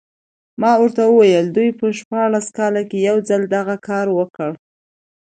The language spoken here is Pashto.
ما ورته وویل دوی په شپاړس کال کې یو ځل دغه کار وکړ.